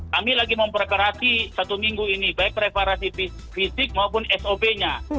kami lagi memperparasi satu minggu ini baik preparasi fisik maupun sop nya